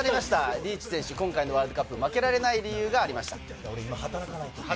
リーチ選手、今回のワールドカップ、負けられない理由がありました。